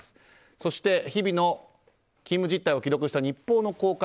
そして、日々の勤務実態を記録した日報の公開